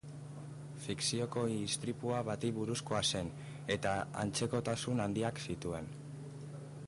Fikziozko istripu bati buruzkoa zen eta antzekotasun handiak zituen.